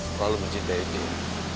terlalu mencintai dia